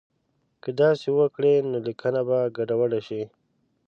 که داسې وکړي نو لیکنه به ګډوډه شي.